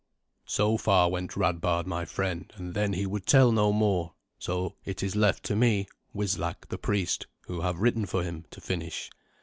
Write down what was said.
So far went Radbard, my friend, and then he would tell no more. So it is left to me, Wislac the priest, who have written for him, to finish.